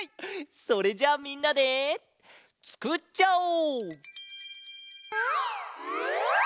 それじゃあみんなでつくっちゃおう！